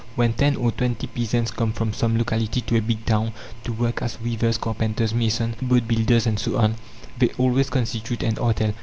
When ten or twenty peasants come from some locality to a big town, to work as weavers, carpenters, masons, boat builders, and so on, they always constitute an artel.